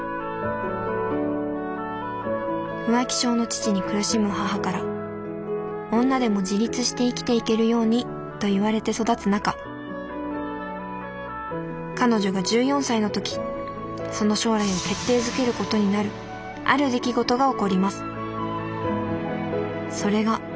浮気性の父に苦しむ母から女でも自立して生きていけるようにと言われて育つ中彼女が１４歳の時その将来を決定づけることになるある出来事が起こります。